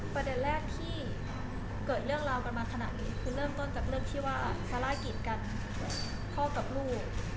ประเด็นแรกที่เกิดเรื่องราวกันมาขนาดนี้คือเริ่มต้นจากเรื่องที่ว่าซาร่ากิจกันพ่อกับลูก